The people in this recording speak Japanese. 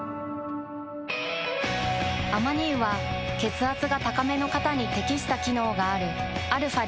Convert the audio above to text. アマニ油は血圧が高めの方に適した機能があるαー